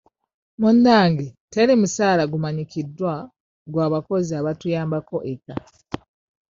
Munnange teri musaala gumanyikiddwa gwa bakozi abatuyambako eka.